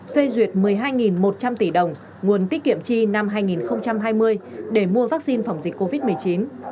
phê duyệt một mươi hai một trăm linh tỷ đồng nguồn tiết kiệm chi năm hai nghìn hai mươi để mua vaccine phòng dịch